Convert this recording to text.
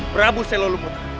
prabu selolong mota